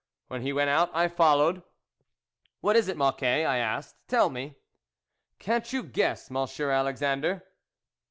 When he went out, I followed. " What is it, Mocquet ?" I asked, " tell me." " Can't you guess, Monsieur Alexan dre ?